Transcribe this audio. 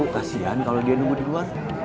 kasian kalo dia nunggu duluan